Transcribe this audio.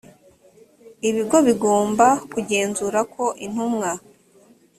ibigo bigomba kugenzura ko intumwa